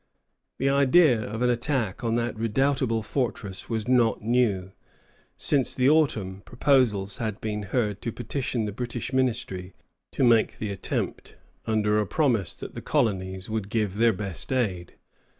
The idea of an attack on that redoubtable fortress was not new. Since the autumn, proposals had been heard to petition the British ministry to make the attempt, under a promise that the colonies would give their best aid.